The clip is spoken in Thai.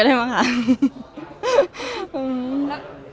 อเรนนี่มีหลังไม้ไม่มี